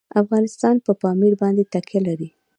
افغانستان په پامیر باندې تکیه لري.